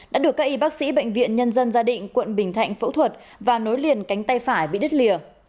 đã được các y bác sĩ bệnh viện nhân dân gia định quận bình thạnh phẫu thuật và nối liền cánh tay phải bị đứt lìa